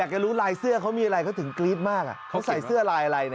แข็มได้มิตร